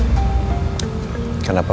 soal omongan kamu tempat hari